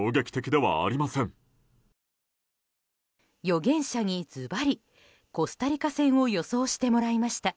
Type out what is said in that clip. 予言者にズバリコスタリカ戦を予想してもらいました。